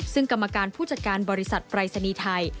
ซึ่งกรรมการผู้จัดการบริษัทปรายศนีย์ไทย